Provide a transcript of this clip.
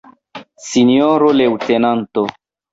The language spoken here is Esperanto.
Sinjoro leŭtenanto!